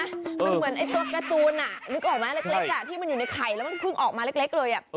มันเหมือนตัวการ์ตูนนึกออกไหมเล็กที่มันอยู่ในไข่แล้วมันเพิ่งออกมาเล็กเลย